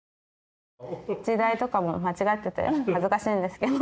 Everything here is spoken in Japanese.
時代とかも間違ってて恥ずかしいんですけど。